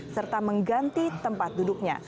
serta mengganti tempat duduknya